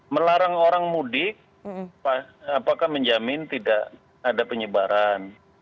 melarang orang mudik apakah menjamin tidak ada penyebaran